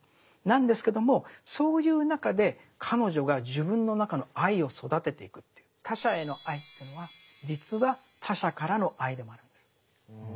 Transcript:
なんですけどもそういう中で彼女が自分の中の愛を育てていくっていう他者への愛というのは実は他者からの愛でもあるんです。